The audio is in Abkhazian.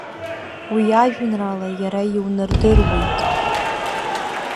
Уи ажәеинраала иара иунардыруеит.